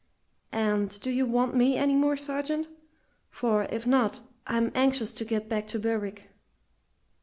"And do you want me any more, sergeant? for, if not, I'm anxious to get back to Berwick."